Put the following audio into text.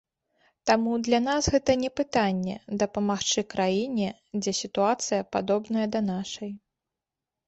Таму для нас гэта не пытанне дапамагчы краіне, дзе сітуацыя падобная да нашай.